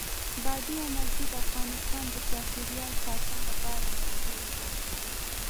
بادي انرژي د افغانستان د چاپیریال ساتنې لپاره مهم دي.